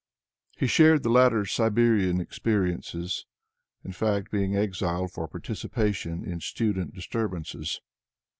He shared the latter's Siberian experiences, in fact, being exiled for participation in student disturbances.